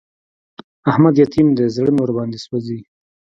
احمد يتيم دی؛ زړه مې ور باندې سوځي.